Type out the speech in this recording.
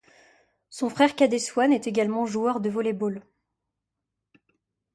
Son frère cadet Swan est également joueur de volley-ball.